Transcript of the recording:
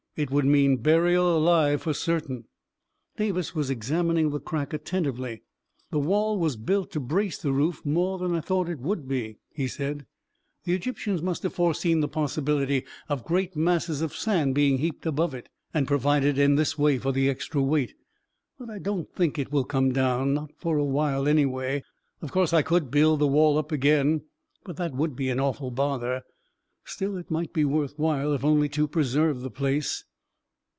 It would mean burial alive for certain !" Davis was examining the crack attentively. 41 The wall was built to brace the roof more than I thought it would be," he said. " The Egyp 316 A KING IN BABYLON tians must have foreseen the possibility of great masses of sand being heaped above it, and provided in this way for the extra weight. But I don't think it will come down — not for a while, anyway. Of course I could build the wall up again — but that would be an awful bother. Still, it might be worth while, if only to preserve the place."